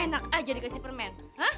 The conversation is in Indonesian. enak aja dikasih permen